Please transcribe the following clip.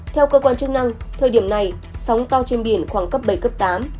theo cơ quan chức năng thời điểm này sóng to trên biển khoảng cấp bảy cấp tám